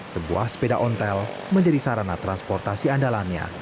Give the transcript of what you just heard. sebuah sepeda ontel menjadi sarana transportasi andalannya